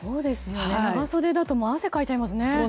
長袖だと汗をかいちゃいますね。